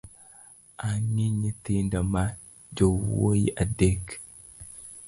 Angi nyithindo ma jowuoi adek.